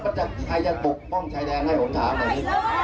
เขาจะปลูกป้องชายแดนให้กองทัพนักดี